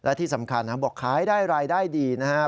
และที่สำคัญบอกขายได้รายได้ดีนะฮะ